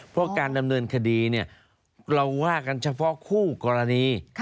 เพราะการดำเนินคดีเราว่ากันเฉพาะคู่กรณี